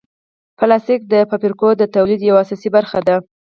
پلاستيک د فابریکو د تولید یوه اساسي برخه ده.